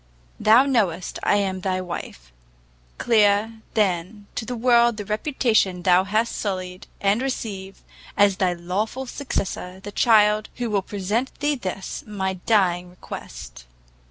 Thou knowest I am thy wife! clear, then, to the world the reputation thou hast sullied, and receive, as thy lawful successor, the child who will present thee this, my dying request!